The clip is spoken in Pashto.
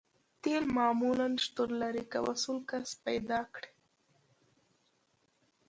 تیل معمولاً شتون لري که مسؤل کس پیدا کړئ